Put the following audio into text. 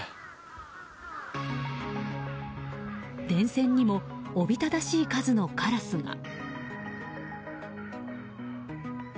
電線にもおびただしい数のカラスが。